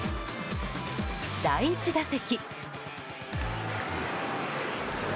第１打席。